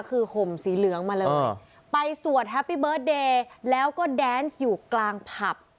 คือห่มสีเหลืองมาเลยไปสวดแฮปปี้เบิร์ตเดย์แล้วก็แดนส์อยู่กลางผับ